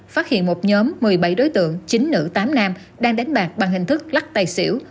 phát hiện một nhóm một mươi bảy đối tượng chín nữ tám nam đang đánh bạc bằng hình thức lắc tài xỉu